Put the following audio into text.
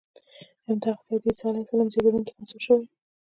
همدغه ځای د عیسی علیه السلام زېږېدنې ته منسوب شوی دی.